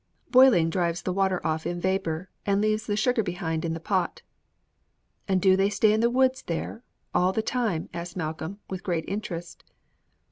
"Boiling drives the water off in vapor, and leaves the sugar behind in the pot." "And do they stay in the woods there all the time?" asked Malcolm, with great interest.